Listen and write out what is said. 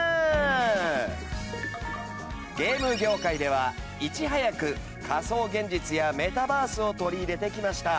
ゲーム業界ではいち早く仮想現実やメタバースを取り入れてきました。